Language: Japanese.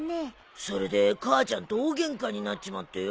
それで母ちゃんと大ゲンカになっちまってよ。